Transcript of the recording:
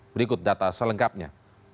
berikut data selengkapnya